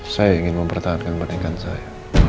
saya ingin mempertahankan pernikahan saya